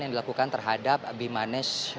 yang dilakukan terhadap bimanes